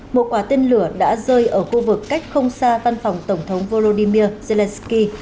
một quả tên lửa đã rơi ở khu vực cách không xa văn phòng tổng thống volodymyr zelensky